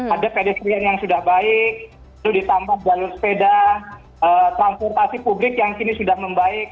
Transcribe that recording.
ada pedestrian yang sudah baik itu ditambah jalur sepeda transportasi publik yang kini sudah membaik